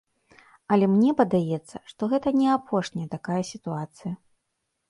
Але мне падаецца, што гэта не апошняя такая сітуацыя.